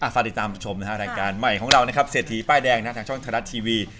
สาธิตามชมรายการใหม่ของเราสิทธิป้ายแดงทางช่องเทศรัตน์ทีวี